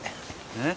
えっ？